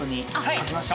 書きました。